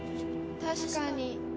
確かに。